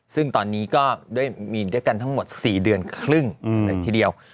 ซึ่งตอนนี้ก็ด้วยมีด้วยกันทั้งหมด๔เดือนครึ่งเลยทีเดียว